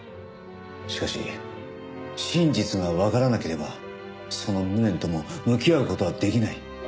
しかし真実がわからなければその無念とも向き合う事はできない。